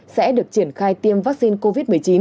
sẽ được triển khai tiêm vaccine covid một mươi chín